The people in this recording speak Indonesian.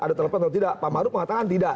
ada telepon atau tidak pak maruf mengatakan tidak